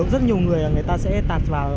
rất nhiều người người ta sẽ tạt vào